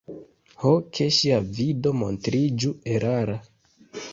Ho, ke ŝia vido montriĝu erara!